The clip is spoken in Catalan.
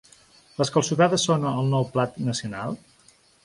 Les calçotades són el nou plat nacional?